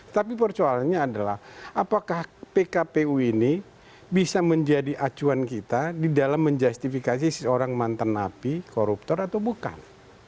tapi persoalannya adalah apakah pkpu ini bisa menjadi acuan kita di dalam menjustifikasi seorang mantan api koruptor atau bukan